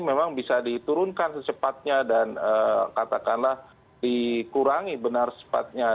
memang bisa diturunkan secepatnya dan katakanlah dikurangi benar sepatnya